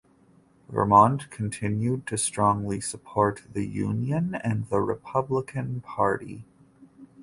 Vermont continued to strongly support the Union and the Republican Party.